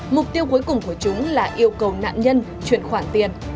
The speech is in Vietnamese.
mục tiêu cuối cùng của chúng là yêu cầu nạn nhân chuyển khoản tiền